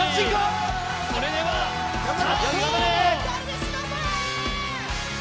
それでは、スタート！